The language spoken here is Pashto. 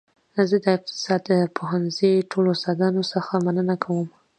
زه د اقتصاد پوهنځي ټولو استادانو څخه مننه کوم